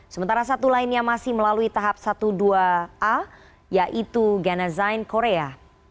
sementara satu lainnya masih melalui tahap satu dua a yaitu ganasine korea